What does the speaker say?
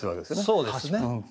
そうですね。